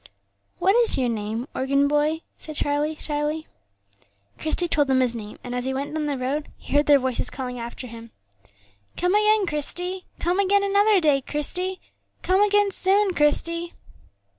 "What is your name, organ boy?" said Charlie, shyly. Christie told them his name, and as he went down the road he heard their voices calling after him: "Come again, Christie; come again another day, Christie; come again soon, Christie."